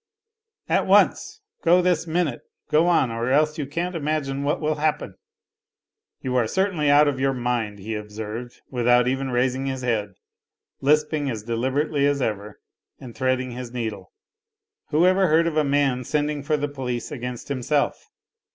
" At once, go this minute ! Go on, or else you can't imagine what will happen." " You are certainly out of your mind," he observed, without even raising his head, lisping as deliberately as ever and threading his needle. " Whoever heard of a man sending for the police against himself